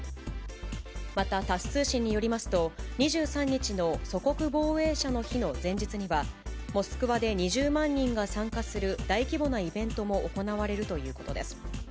またタス通信によりますと、２３日の祖国防衛者の日の前日には、モスクワで２０万人が参加する大規模なイベントも行われるということです。